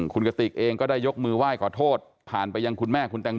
คุณกติกเองก็ได้ยกมือไหว้ขอโทษผ่านไปยังคุณแม่คุณแตง